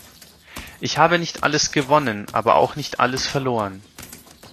Ich habe nicht alles gewonnen, aber auch nicht alles verloren.